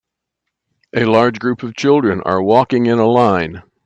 A large group of children are walking in a line.